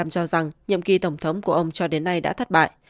sáu mươi một cho rằng nhiệm kỳ tổng thống của ông cho đến nay đã thất bại